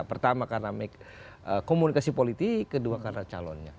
pertama karena komunikasi politik kedua karena calonnya